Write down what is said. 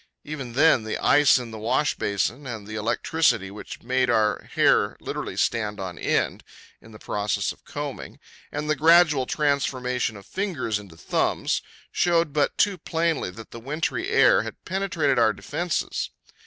Even then, the ice in the wash basin, and the electricity which made our hair literally stand on end in the process of combing, and the gradual transformation of fingers into thumbs, showed but too plainly that the wintry air had penetrated our defences.